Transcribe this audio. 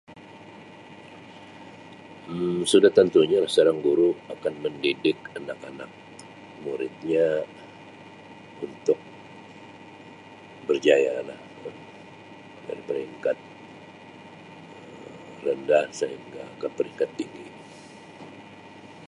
Um Sudah tentunya seorang guru akan mendidik anak-anak muridnya untuk berjaya lah [Um]ke peringkat rendah Um sehingga ke peringkat tinggi.